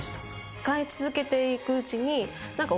使い続けていくうちに。